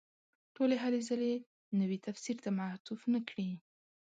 ټولې هلې ځلې نوي تفسیر ته معطوف نه کړي.